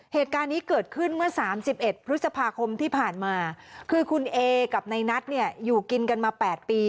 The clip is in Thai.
เหตุการณ์นี้เกิดขึ้นเมื่อสามสิบเอ็ดพฤษภาคมที่ผ่านมาคือคุณเอกับในนัทเนี่ยอยู่กินกันมา๘ปี